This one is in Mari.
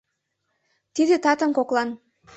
Тиде татым коклан